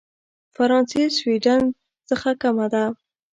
فرانسې سوېډن څخه کمه ده.